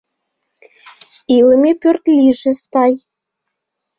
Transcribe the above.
Илыме пӧрт лийже спай